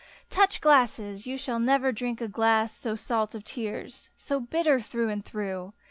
Touch glasses ! Tou shall never drink a glass So salt of tears, so bitter through and through.